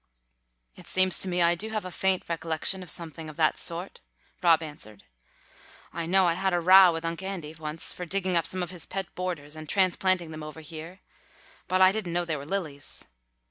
"It seems to me I do have a faint recollection of something of that sort," Rob answered. "I know I had a row with Unc' Andy once for digging up some of his pet borders and transplanting them over here, but I didn't know they were lilies."